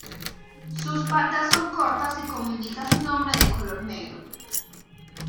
Sus patas son cortas y como indica su nombre de color negro.